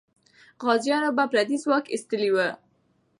غازیانو به پردی ځواک ایستلی وي.